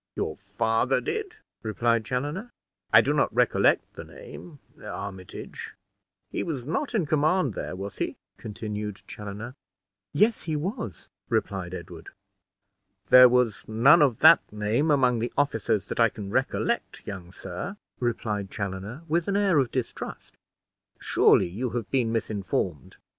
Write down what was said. "Your father did?" replied Chaloner; "I do not recollect the name Armitage he was not in command there, was he?" continued Chaloner. "Yes, he was," replied Edward. "There was none of that name among the officers that I can recollect, young sir," replied Chaloner, with an air of distrust. "Surely you have been misinformed."